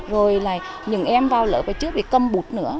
rồi là những em vào lỡ và trước thì cầm bút nữa